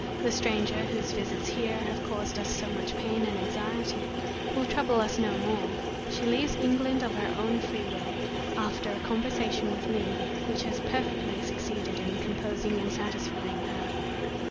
The stranger whose visits here have caused us so much pain and anxiety will trouble us no more. She leaves England of her own free will, after a conversation with me which has perfectly succeeded in composing and satisfying her.